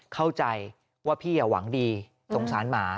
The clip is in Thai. เข้าใจว่าพี่หวังดีสงสารหมา